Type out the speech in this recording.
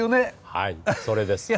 はい、それです。